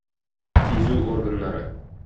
Сизү органнары.